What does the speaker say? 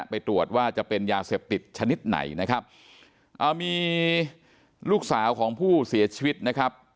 ไปตรวจว่าจะเป็นยาเสพติดชนิดไหนนะครับอ่ามีลูกสาวของผู้เสียชีวิตนะครับ